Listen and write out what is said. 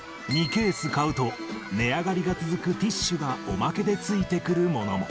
２ケース買うと、値上がりが続くティッシュが、おまけでついてくるものも。